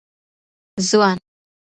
ځوان